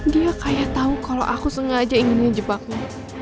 dia kayak tau kalo aku sengaja inginnya jebaknya